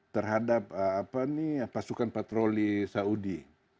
terhadap apa nih pasukan patroli saudi